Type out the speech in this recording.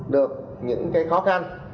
được những khó khăn